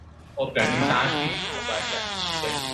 Geleng serupa cupak hanyut